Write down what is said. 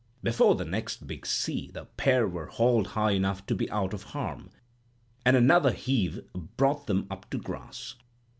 Before the next big sea, the pair were hauled high enough to be out of harm, and another heave brought them up to grass.